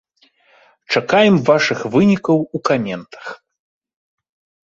Чакаем вашых вынікаў у каментах!